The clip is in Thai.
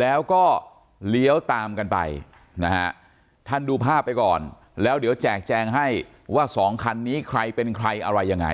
แล้วก็เลี้ยวตามกันไปนะฮะท่านดูภาพไปก่อนแล้วเดี๋ยวแจกแจงให้ว่าสองคันนี้ใครเป็นใครอะไรยังไง